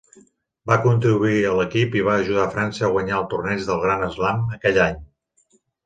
Va contribuir a l'equip i va ajudar França a guanyar el torneig de Grand Slam aquell any.